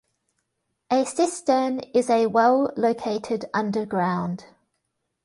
A cistern is a well located underground.